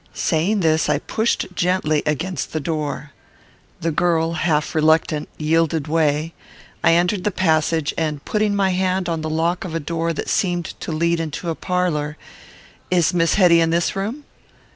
Saying this, I pushed gently against the door. The girl, half reluctant, yielded way; I entered the passage, and, putting my hand on the lock of a door that seemed to lead into a parlour, "Is Miss Hetty in this room?"